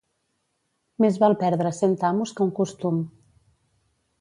Més val perdre cent amos que un costum.